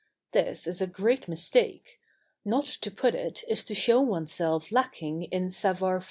This is a great mistake. Not to put it is to show oneself lacking in savoir faire.